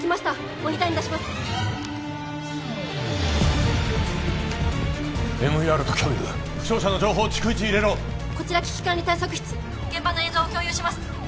モニターに出しますＭＥＲと共有負傷者の情報を逐一入れろこちら危機管理対策室現場の映像を共有します